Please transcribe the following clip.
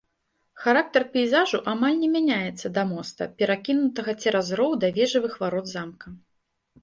Характар пейзажу амаль не мяняецца да моста, перакінутага цераз роў да вежавых варот замка.